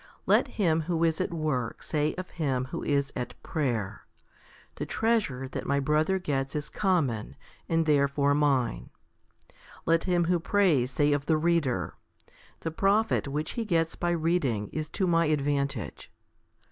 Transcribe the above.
Let him who is at work say of him who is at prayer, " The treasure that my brother gets is common, and therefore mine." Let him who prays say of the reader, " The profit which he gets by reading is to my advantage."